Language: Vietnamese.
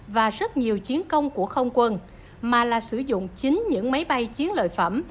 và rất nhiều chiến công của không quân mà là sử dụng chính những máy bay chiến lợi phẩm